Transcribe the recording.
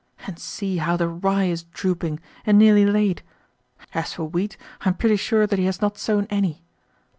And see how the rye is drooping, and nearly laid. As for wheat, I am pretty sure that he has not sown any.